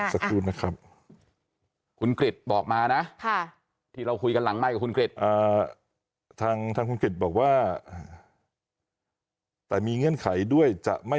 สักครู่นะครับคุณกริจบอกมานะค่ะที่เราคุยกันหลังไม่กับคุณกริจอ่า